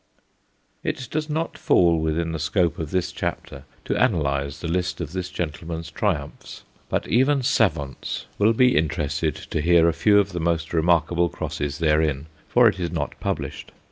It does not fall within the scope of this chapter to analyze the list of this gentleman's triumphs, but even savants will be interested to hear a few of the most remarkable crosses therein, for it is not published.